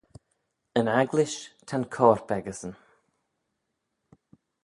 Yn agglish, ta'n corp echeysyn.